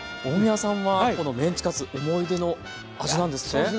大宮さんはこのメンチカツ思い出の味なんですね。